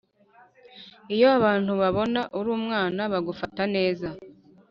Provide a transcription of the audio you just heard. iyo abantu babona uri umwana bagufata neza